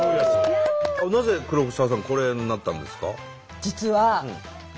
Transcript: なぜ黒沢さんこれになったんですか？